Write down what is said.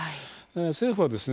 政府はですね